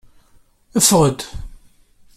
Ffeɣ-d.